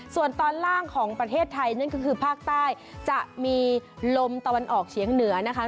ส่วนตอนล่างของประเทศไทยนั่นก็คือภาคใต้จะมีลมตะวันออกเฉียงเหนือนะคะ